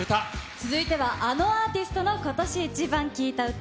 続いては、あのアーティストの今年イチバン聴いた歌。